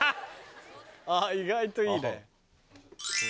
意外といいね。